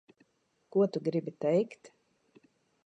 Ko tu gribi teikt?